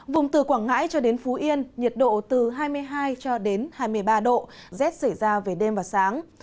vùng từ quảng ngãi cho đến phú yên nhiệt độ từ hai mươi hai cho đến hai mươi ba độ rét xảy ra về đêm và sáng